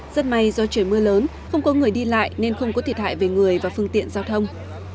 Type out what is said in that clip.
rất may do trời mưa lớn không có người đi lại nên không có thiệt hại về người và phương tiện giao thông